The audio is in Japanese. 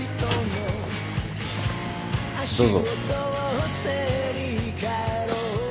どうぞ。